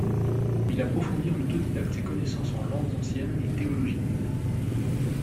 Il approfondit en autodidacte ses connaissances en langues anciennes et théologie.